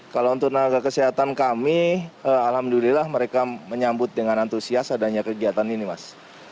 kalau untuk tenaga kesehatan kami alhamdulillah mereka menyambut dengan antusias adanya kegiatan ini mas